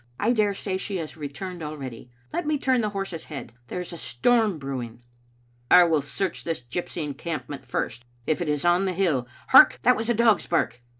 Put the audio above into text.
I daresay she has returned already. Let me turn the horse's head. There is a storm brewing." " I will search this gypsy encampment first, if it is on the hill. Hark! that was a dog's bark.